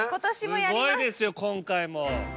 すごいですよ今回も。